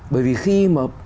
bởi vì khi mà